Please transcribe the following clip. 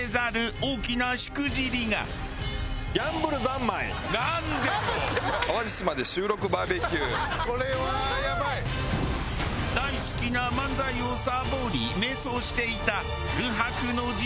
大好きな漫才をサボり迷走していた空白の時代とは？